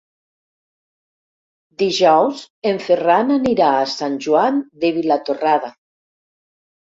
Dijous en Ferran anirà a Sant Joan de Vilatorrada.